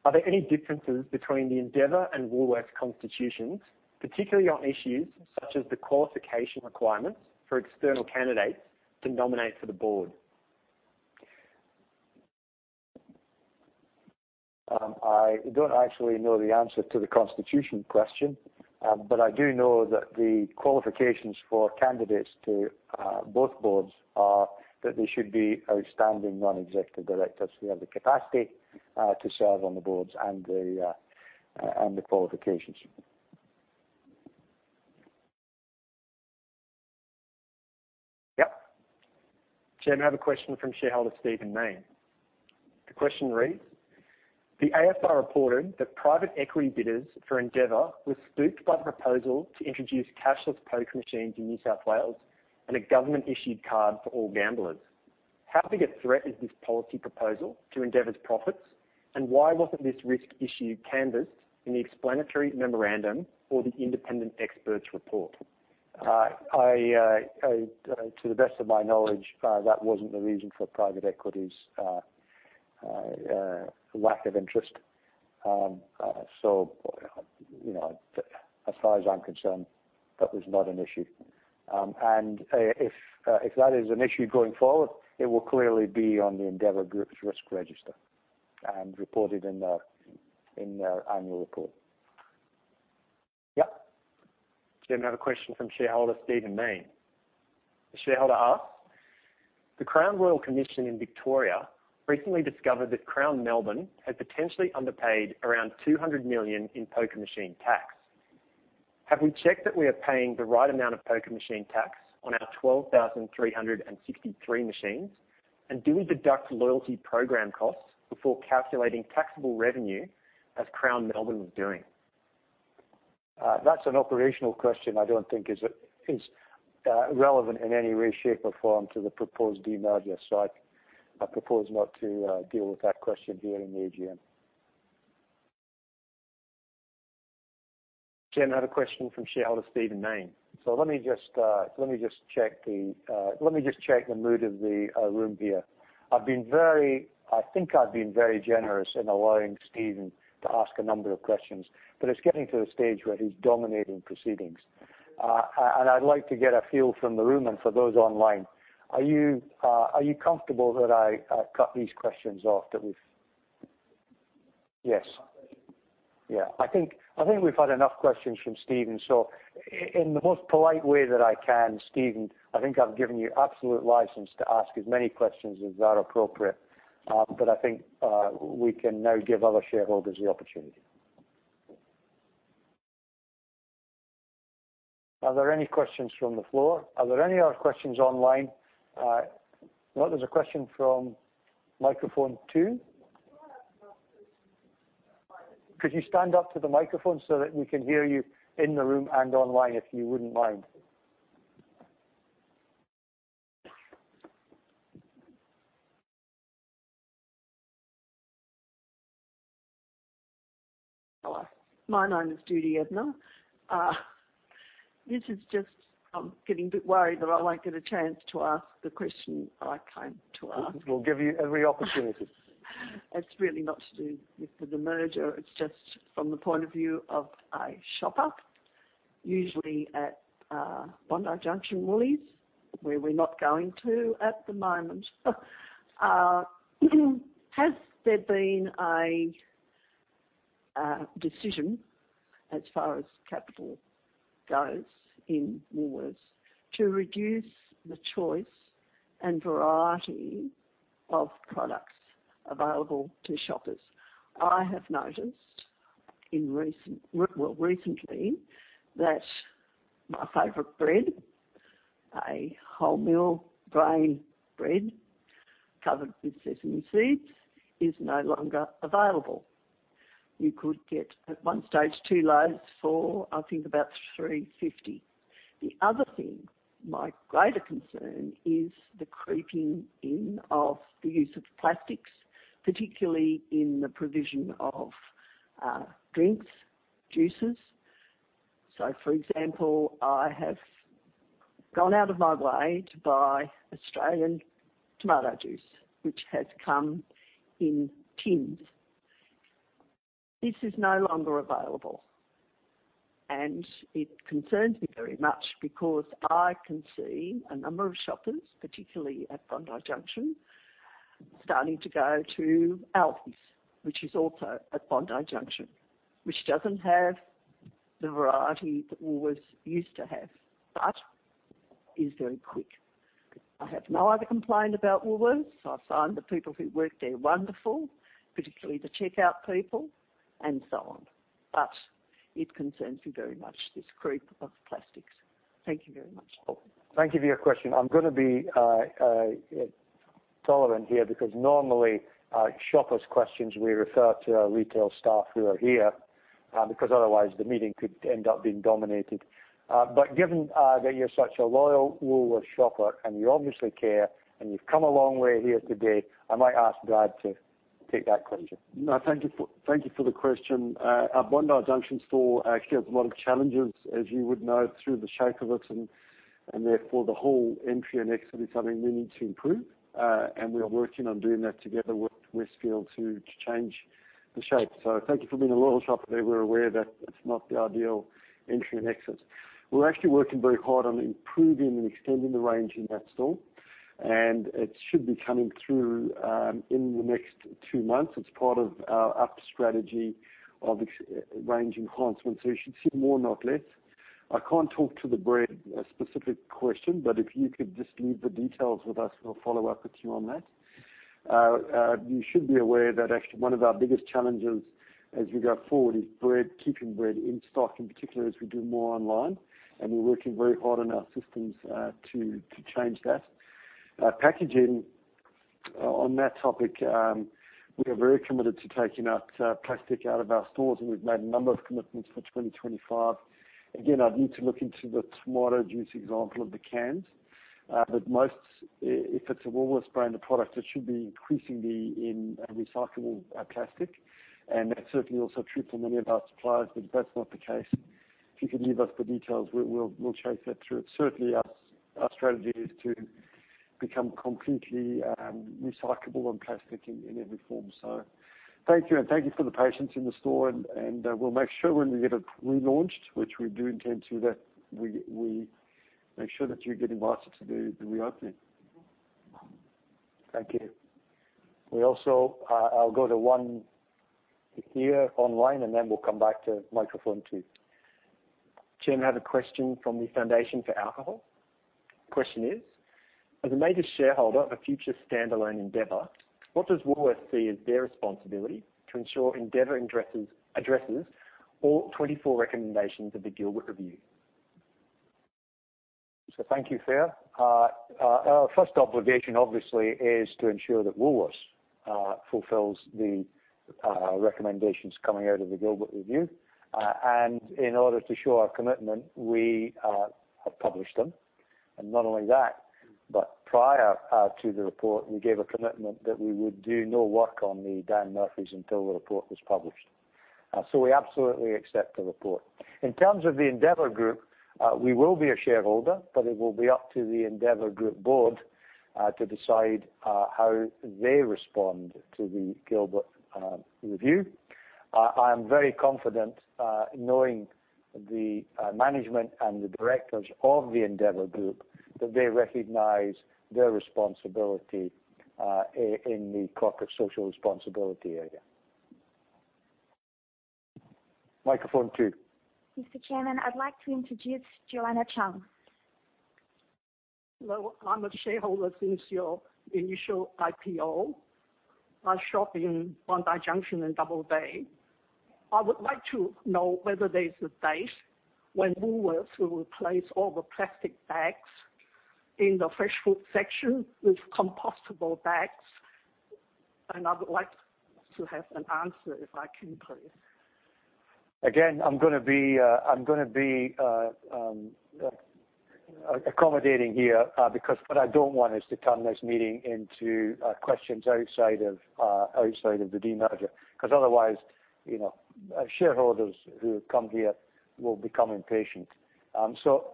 Are there any differences between the Endeavour and Woolworths constitutions, particularly on issues such as the qualification requirements for external candidates to nominate for the board? I don't actually know the answer to the constitution question, but I do know that the qualifications for candidates to both boards are that they should be outstanding non-executive directors who have the capacity to serve on the boards and the qualifications. Chairman, I have a question from shareholder Stephen Mayne. The question reads: The AFR reported that private equity bidders for Endeavour were spooked by the proposal to introduce cashless poker machines in New South Wales and a government-issued card for all gamblers. How big a threat is this policy proposal to Endeavour's profits, and why wasn't this risk issue canvassed in the explanatory memorandum or the independent experts report? To the best of my knowledge, that wasn't the reason for private equity's lack of interest. So, you know, as far as I'm concerned, that was not an issue. And if that is an issue going forward, it will clearly be on the Endeavour Group's risk register and reported in their annual report. Yep Chairman, I have a question from shareholder Stephen Mayne. The shareholder asks: The Crown Royal Commission in Victoria recently discovered that Crown Melbourne had potentially underpaid around 200 million in poker machine tax. Have we checked that we are paying the right amount of poker machine tax on our 12,363 machines? And do we deduct loyalty program costs before calculating taxable revenue, as Crown Melbourne was doing? That's an operational question I don't think is relevant in any way, shape, or form to the proposed demerger. So I propose not to deal with that question here in the AGM. Chairman, I have a question from shareholder Stephen Mayne. So let me just check the mood of the room here. I've been very generous in allowing Stephen to ask a number of questions, but it's getting to the stage where he's dominating proceedings. And I'd like to get a feel from the room and for those online, are you comfortable that I cut these questions off, that we've... Yes. Yeah, I think, I think we've had enough questions from Stephen, so in the most polite way that I can, Stephen, I think I've given you absolute license to ask as many questions as are appropriate, but I think we can now give other shareholders the opportunity. Are there any questions from the floor? Are there any other questions online? Well, there's a question from microphone two. Could you stand up to the microphone so that we can hear you in the room and online, if you wouldn't mind? Hello, my name is Judy Edna. This is just, I'm getting a bit worried that I won't get a chance to ask the question I came to ask. We'll give you every opportunity. It's really not to do with the demerger. It's just from the point of view of a shopper, usually at Bondi Junction Woolies, where we're not going to at the moment. Has there been a decision, as far as capital goes in Woolworths, to reduce the choice and variety of products available to shoppers? I have noticed recently that my favorite bread, a wholemeal grain bread covered with sesame seeds, is no longer available. You could get, at one stage, two loaves for, I think about 3.50. The other thing, my greater concern, is the creeping in of the use of plastics, particularly in the provision of drinks, juices. So, for example, I have gone out of my way to buy Australian tomato juice, which has come in tins. This is no longer available, and it concerns me very much because I can see a number of shoppers, particularly at Bondi Junction, starting to go to Alfie's, which is also at Bondi Junction, which doesn't have the variety that Woolworths used to have, but is very quick. I have no other complaint about Woolworths. I find the people who work there wonderful, particularly the checkout people and so on. But it concerns me very much, this creep of plastics. Thank you very much. Thank you for your question. I'm gonna be tolerant here because normally shoppers' questions, we refer to our retail staff who are here because otherwise the meeting could end up being dominated, but given that you're such a loyal Woolworths shopper, and you obviously care, and you've come a long way here today, I might ask Brad to take that question. No, thank you for, thank you for the question. Our Bondi Junction store actually has a lot of challenges, as you would know, through the shape of it and therefore, the whole entry and exit is something we need to improve, and we are working on doing that together with Westfield to change the shape. So thank you for being a loyal shopper there. We're aware that it's not the ideal entry and exit. We're actually working very hard on improving and extending the range in that store, and it should be coming through in the next two months. It's part of our up strategy of ex- range enhancement, so you should see more, not less. I can't talk to the bread, a specific question, but if you could just leave the details with us, we'll follow up with you on that.... you should be aware that actually one of our biggest challenges as we go forward is bread, keeping bread in stock, and particularly as we do more online, and we're working very hard on our systems to change that. Packaging, on that topic, we are very committed to taking out plastic out of our stores, and we've made a number of commitments for 2025. Again, I'd need to look into the tomato juice example of the cans, but most, if it's a Woolworths brand of product, it should be increasingly in a recyclable plastic, and that's certainly also true for many of our suppliers, but if that's not the case, if you can give us the details, we'll chase that through. Certainly our strategy is to become completely recyclable on plastic in every form. So thank you, and thank you for the patience in the store, and we'll make sure when we get it relaunched, which we do intend to, that we make sure that you're getting asked to do the reopening. Thank you. We also, I'll go to one here online, and then we'll come back to microphone two. Chairman, I have a question from the Foundation for Alcohol Research and Education. Question is: As a major shareholder of a future standalone Endeavour, what does Woolworths see as their responsibility to ensure Endeavour addresses all 24 recommendations of the Gilbert Review? So thank you, Chair. Our first obligation obviously is to ensure that Woolworths fulfills the recommendations coming out Gilbert Review. and in order to show our commitment, we have published them. And not only that, but prior to the report, we gave a commitment that we would do no work on the Dan Murphy's until the report was published. So we absolutely accept the report. In terms of the Endeavour Group, we will be a shareholder, but it will be up to the Endeavour Group board to decide how they respond Gilbert Review. i am very confident, knowing the management and the directors of the Endeavour Group, that they recognize their responsibility in the corporate social responsibility area. Microphone two. Mr. Chairman, I'd like to introduce Joanna Chung. I'm a shareholder since your initial IPO. I shop in Bondi Junction in Double Bay. I would like to know whether there's a date when Woolworths will replace all the plastic bags in the fresh food section with compostable bags, and I would like to have an answer, if I can, please. Again, I'm gonna be accommodating here, because what I don't want is to turn this meeting into questions outside of the demerger, 'cause otherwise, you know, shareholders who come here will become impatient, so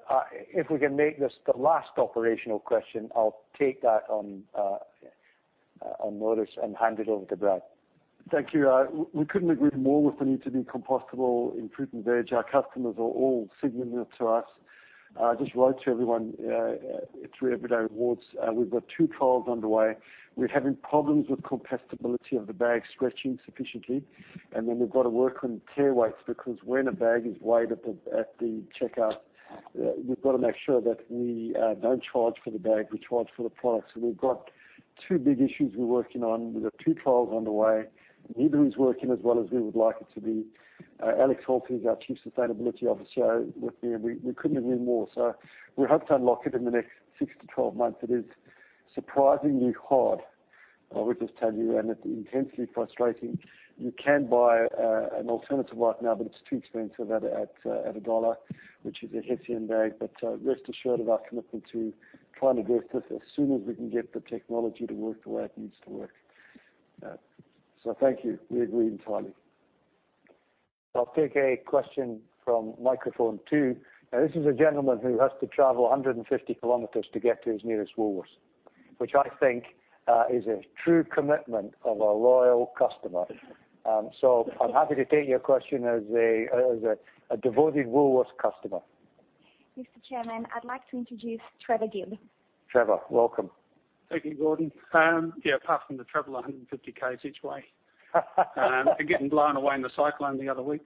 if we can make this the last operational question, I'll take that on notice and hand it over to Brad. Thank you. We couldn't agree more with the need to be compostable in fruit and veg. Our customers are all signaling it to us. I just wrote to everyone through Everyday Rewards. We've got two trials underway. We're having problems with compostability of the bag stretching sufficiently, and then we've got to work on tare weights, because when a bag is weighed at the checkout, we've got to make sure that we don't charge for the bag, we charge for the product. So we've got two big issues we're working on. We've got two trials underway. Neither is working as well as we would like it to be. Alex Holt is our Chief Sustainability Officer with me, and we couldn't agree more, so we hope to unlock it in the next six to 12 months. It is surprisingly hard, I would just tell you, and it's intensely frustrating. You can buy an alternative right now, but it's too expensive at AUD 1, which is a hessian bag. But rest assured of our commitment to trying to do this as soon as we can get the technology to work the way it needs to work. So thank you. We agree entirely. I'll take a question from microphone two. Now, this is a gentleman who has to travel 150 kilometers to get to his nearest Woolworths, which I think is a true commitment of a loyal customer. So I'm happy to take your question as a devoted Woolworths customer. Mr. Chairman, I'd like to introduce Trevor Gibbs. Trevor, welcome. Thank you, Gordon. Yeah, apart from the travel, a hundred and fifty Ks each way, and getting blown away in the cyclone the other week.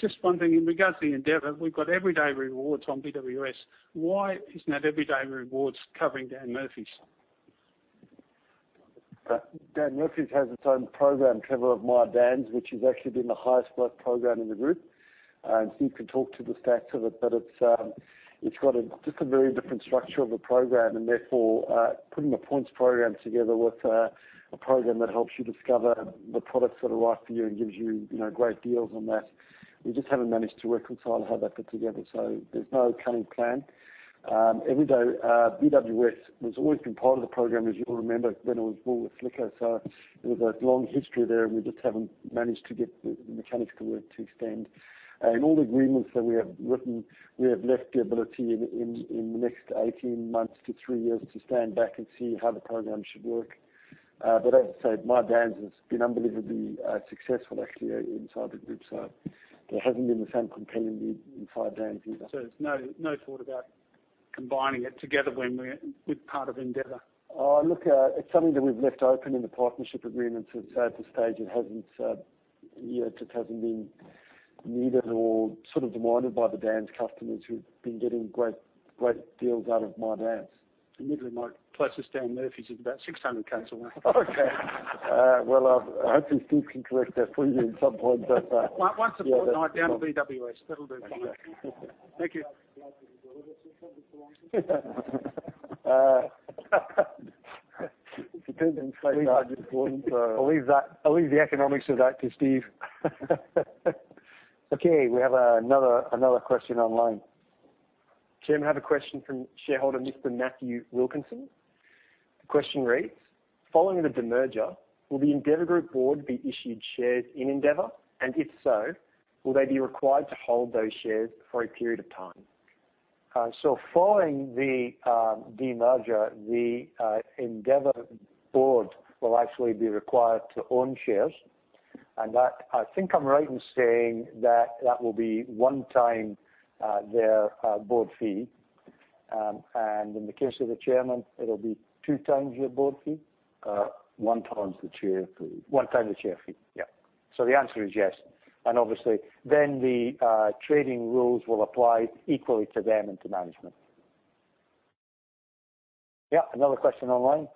Just one thing, in regards to Endeavour, we've got Everyday Rewards on BWS. Why isn't that Everyday Rewards covering Dan Murphy's? Dan Murphy's has its own program, Trevor, of My Dan's, which has actually been the highest growth program in the group. And Steve can talk to the stats of it, but it's, it's got a, just a very different structure of a program, and therefore, putting the points program together with, a program that helps you discover the products that are right for you and gives you, you know, great deals on that, we just haven't managed to reconcile how that fit together, so there's no current plan. Everyday, BWS has always been part of the program, as you'll remember, when it was Woolworths Liquor, so there's a long history there, and we just haven't managed to get the mechanics to work to extend. In all the agreements that we have written, we have left the ability in the next eighteen months to three years to stand back and see how the program should work. But as I said, My Dan's has been unbelievably successful actually inside the group, so there hasn't been the same compelling need inside Dan's either. So there's no thought about combining it together when we're with part of Endeavour? Look, it's something that we've left open in the partnership agreements. So at this stage, it hasn't yet been-... needed or sort of demanded by the Dan's customers, who've been getting great, great deals out of My Dan's. And literally, my closest Dan Murphy's is about 600 km away. Okay. Well, I've, I hope you Steve can correct that for you at some point, but, Once a fortnight down to BWS, that'll do fine. Okay. Thank you. It depends on state importance, I'll leave that, I'll leave the economics of that to Steve. Okay, we have another question online. Chairman, I have a question from shareholder, Mr. Matthew Wilkinson. The question reads: Following the demerger, will the Endeavour Group board be issued shares in Endeavour? And if so, will they be required to hold those shares for a period of time? So following the demerger, the Endeavour board will actually be required to own shares. And that... I think I'm right in saying that that will be one time their board fee. And in the case of the chairman, it'll be two times your board fee? One times the chair fee. One time the chair fee, yeah. So the answer is yes. And obviously, then the trading rules will apply equally to them and to management. Yeah, another question online.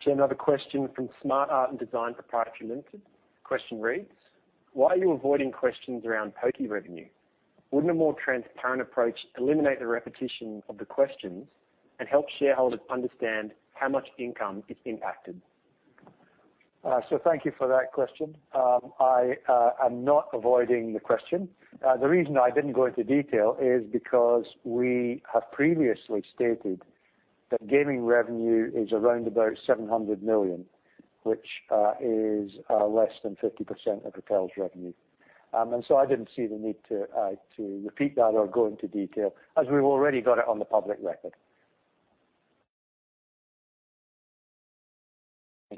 Chairman, another question from Smart Art and Design Proprietary Limited. Question reads: Why are you avoiding questions around Pokie revenue? Wouldn't a more transparent approach eliminate the repetition of the questions, and help shareholders understand how much income is impacted? So thank you for that question. I am not avoiding the question. The reason I didn't go into detail is because we have previously stated that gaming revenue is around about 700 million, which is less than 50% of Retail's revenue, and so I didn't see the need to repeat that or go into detail, as we've already got it on the public record.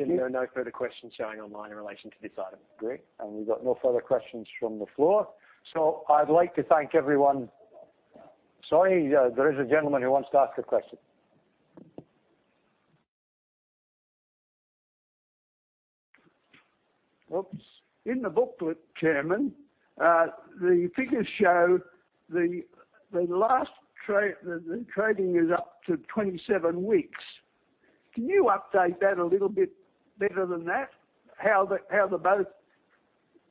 There are no further questions showing online in relation to this item. Great, and we've got no further questions from the floor, so I'd like to thank everyone... Sorry, there is a gentleman who wants to ask a question. Oops. In the booklet, Chairman, the figures show the last trading is up to 27 weeks. Can you update that a little bit better than that?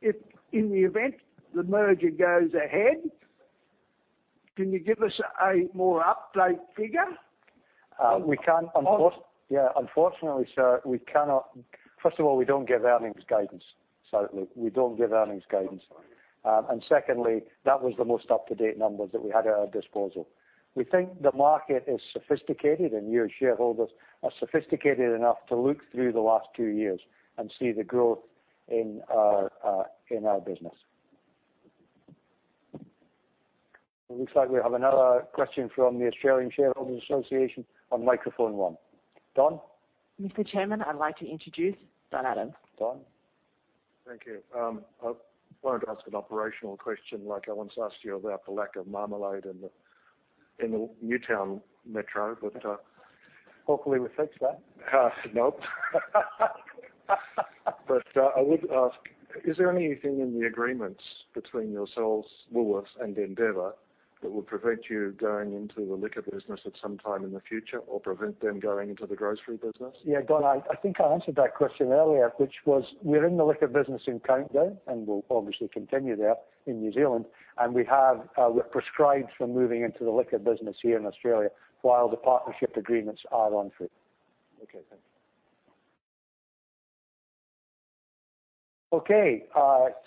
If in the event the merger goes ahead, can you give us a more update figure? We can't, unfortunately- On- Yeah, unfortunately, sir, we cannot. First of all, we don't give earnings guidance. So we don't give earnings guidance. I'm sorry. And secondly, that was the most up-to-date numbers that we had at our disposal. We think the market is sophisticated, and you as shareholders are sophisticated enough to look through the last two years and see the growth in our business. It looks like we have another question from the Australian Shareholders' Association on microphone one. Don? Mr. Chairman, I'd like to introduce Don Adams. Don? Thank you. I wanted to ask an operational question, like I once asked you about the lack of marmalade in the Newtown Metro, but... Hopefully, we fixed that. Nope. But I would ask, is there anything in the agreements between yourselves, Woolworths and Endeavour, that would prevent you going into the liquor business at some time in the future, or prevent them going into the grocery business? Yeah, Don, I think I answered that question earlier, which was, we're in the liquor business in Countdown, and we'll obviously continue there in New Zealand, and we have, we're proscribed from moving into the liquor business here in Australia while the partnership agreements are on foot. Okay, thank you. Okay,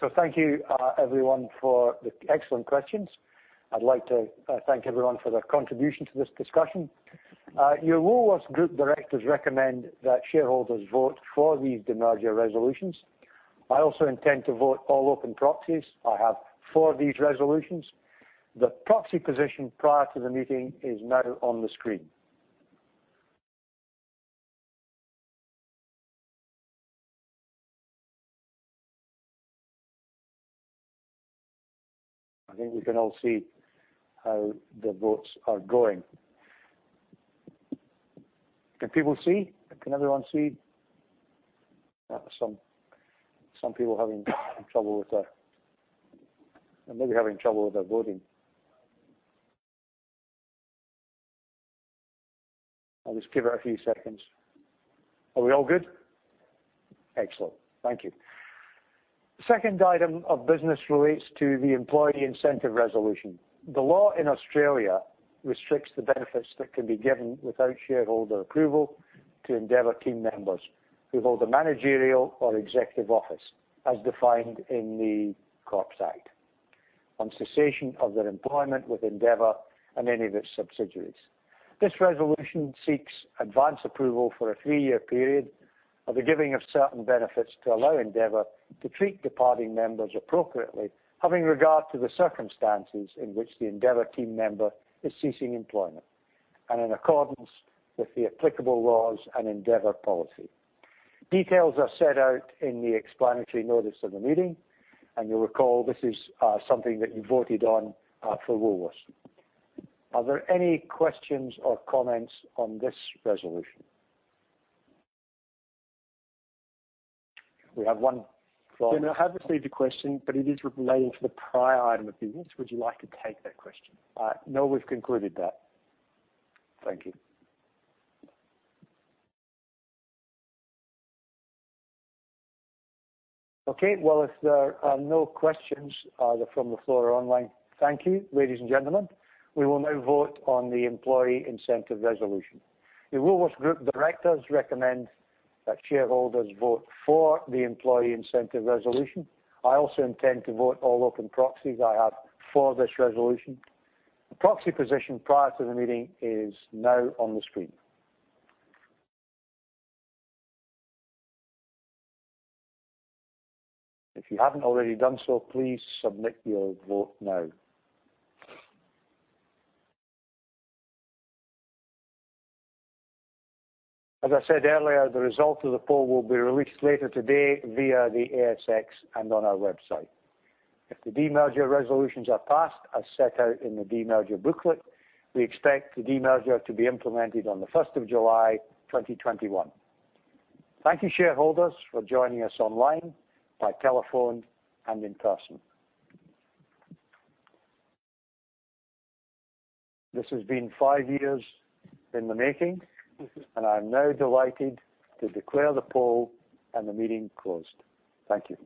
so thank you, everyone for the excellent questions. I'd like to thank everyone for their contribution to this discussion. Your Woolworths Group directors recommend that shareholders vote for these demerger resolutions. I also intend to vote all open proxies I have for these resolutions. The proxy position prior to the meeting is now on the screen. I think we can all see how the votes are going. Can people see? Can everyone see? Some people are having trouble with their... They're maybe having trouble with their voting. I'll just give it a few seconds. Are we all good? Excellent. Thank you. Second item of business relates to the employee incentive resolution. The law in Australia restricts the benefits that can be given without shareholder approval to Endeavour team members with all the managerial or executive office, as defined in the Corporations Act, on cessation of their employment with Endeavour and any of its subsidiaries. This resolution seeks advance approval for a three-year period of the giving of certain benefits to allow Endeavour to treat departing members appropriately, having regard to the circumstances in which the Endeavour team member is ceasing employment, and in accordance with the applicable laws and Endeavour policy. Details are set out in the explanatory notice of the meeting, and you'll recall this is something that you voted on for Woolworths. Are there any questions or comments on this resolution? We have one from- Chairman, I have received a question, but it is relating to the prior item of business. Would you like to take that question? No, we've concluded that. Thank you. Okay, well, if there are no questions, either from the floor or online, thank you, ladies and gentlemen. We will now vote on the employee incentive resolution. The Woolworths Group directors recommend that shareholders vote for the employee incentive resolution. I also intend to vote all open proxies I have for this resolution. The proxy position prior to the meeting is now on the screen. If you haven't already done so, please submit your vote now. As I said earlier, the result of the poll will be released later today via the ASX and on our website. If the demerger resolutions are passed, as set out in the demerger booklet, we expect the demerger to be implemented on the 1st of July, 2021. Thank you, shareholders, for joining us online, by telephone and in person. This has been five years in the making, and I'm now delighted to declare the poll and the meeting closed. Thank you.